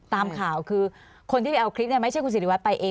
ตามข่าวคือคนที่ไปเอาคลิปเนี่ยไม่ใช่คุณศิริวัตรไปเอง